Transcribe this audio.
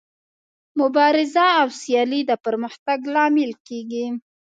مبارزه او سیالي د پرمختګ لامل کیږي.